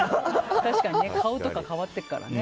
確かに顔とか変わってるからね。